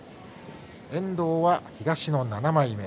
遠藤は東の７枚目。